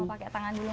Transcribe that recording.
oh pakai tangan dulu